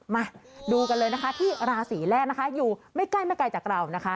มาดูกันเลยนะคะที่ราศีแรกนะคะอยู่ไม่ใกล้ไม่ไกลจากเรานะคะ